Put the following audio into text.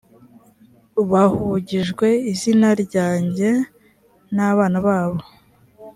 bahugijwe izina ryanjye na nabana babo